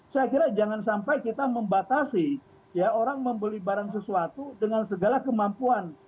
saya kira jangan sampai kita membatasi ya orang membeli barang sesuatu dengan segala kemampuan